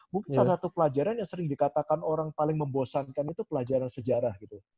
mungkin salah satu pelajaran yang sering dikatakan orang paling membosankan itu pelajaran sejarah gitu